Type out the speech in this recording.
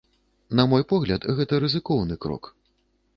На мой погляд, гэта рызыкоўны крок.